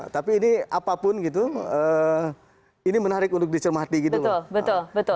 tapi ini apapun gitu ini menarik untuk dicermati gitu loh